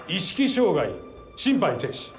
障害心肺停止。